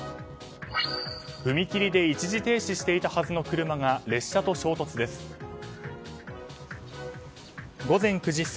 踏切で一時停止していたはずの車が列車と衝突です。